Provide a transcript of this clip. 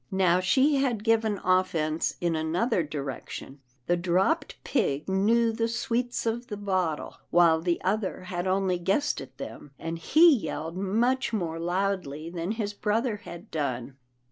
Now she had given offence in another direction. The dropped pig knew the sweets of the bottle, while the other had only guessed at them, and he yelled much more loudly than his brother had done.